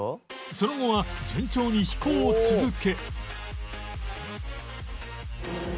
その後は順調に飛行を続け